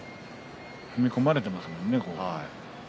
踏み込まれていますね。